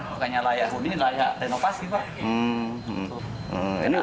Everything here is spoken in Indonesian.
pokoknya layak renovasi pak